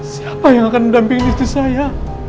siapa yang akan mendampingi istri saya